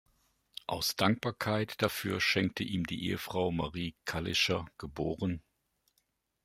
Aus Dankbarkeit dafür schenkte ihm die Ehefrau Marie Kalischer, geb.